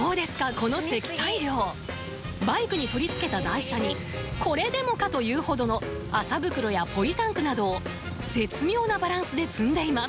この積載量バイクに取り付けた台車にこれでもかというほどの麻袋やポリタンクなどを絶妙なバランスで積んでいます